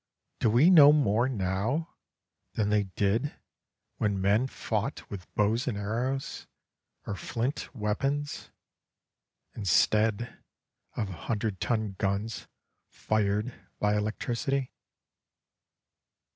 Do we know more now than they did when men fought with bows and arrows, or flint weapons, instead of hundred ton guns fired by electricity?